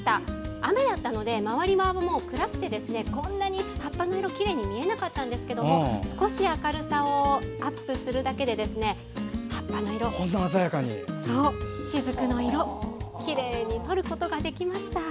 雨だったので周りも暗くてこんなに葉っぱの色、きれいに見えなかったんですけど少し明るさをアップするだけで葉っぱの色、しずくの色きれいに撮ることができました。